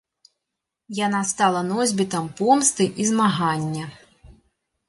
Яна стала носьбітам помсты і змагання.